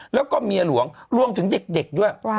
แล้วก็เมียหลวงรวมถึงเด็กด้วย